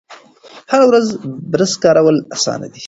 هره ورځ برس کول اسانه دي.